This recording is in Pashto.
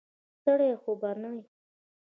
ستړی خو به نه یې.